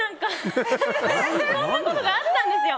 そんなことがあったんですよ。